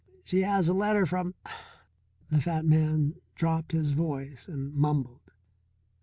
"She has a letter from " The fat man dropped his voice and mumbled.